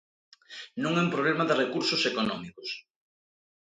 Non é un problema de recursos económicos.